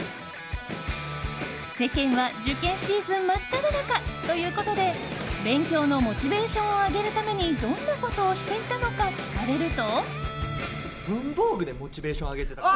世間は受験シーズン真っただ中。ということで、勉強のモチベーションを上げるためにどんなことをしていたのか聞かれると。